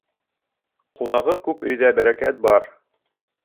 Ҡунағы күп өйҙә бәрәкәт бар.